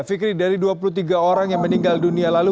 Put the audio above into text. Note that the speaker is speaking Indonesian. fikri dari dua puluh tiga orang yang meninggal dunia lalu